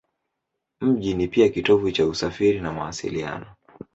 Mji ni pia kitovu cha usafiri na mawasiliano.